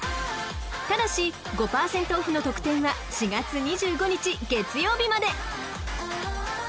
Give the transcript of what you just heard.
［ただし５％オフの特典は４月２５日月曜日まで］